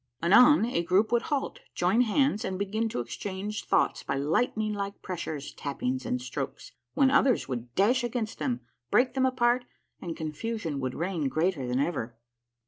Anon a group would halt, join hands, and begin to exchange thoughts by lightning like pressures, tappings, and strokes, when others would dash against them, break them apart, and confusion would reign greater than ever.